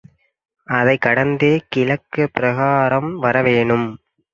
அதைக் கடந்தே கிழக்குப் பிராகாரம் வரவேணும்.